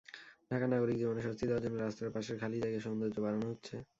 ঢাকার নাগরিক জীবনে স্বস্তি দেওয়ার জন্য রাস্তার পাশের খালি জায়গার সৌন্দর্য বাড়ানো হচ্ছে।